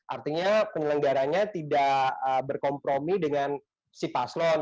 artinya penyelenggaranya tidak berkompromi dengan si paslon